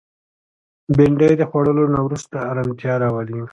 بېنډۍ د خوړلو نه وروسته ارامتیا راولي